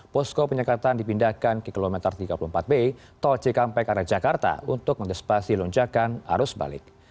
posko penyekatan dipindahkan ke kilometer tiga puluh empat b tol cikampek arah jakarta untuk mendespasi lonjakan arus balik